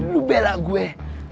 lu bela gue